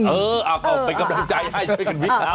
เออก็เป็นกำลังใจให้ช่วยกันวิบน้ำ